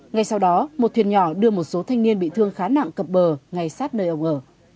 ngay sau đó một thuyền nhỏ đưa một số thanh niên bị thương khá nặng cập bờ ngay sát nơi ở